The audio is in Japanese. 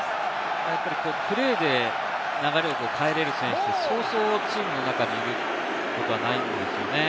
プレーで流れを変えれる選手ってそうそうチームの中にいることはないんですよね。